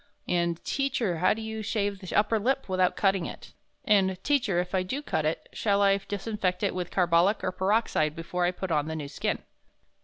and, 'Teacher, how do you shave the upper lip without cutting it?' and, 'Teacher, if I do cut it, shall I disinfect it with carbolic or peroxide before I put on the new skin?'